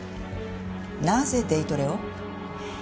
なぜデイトレを？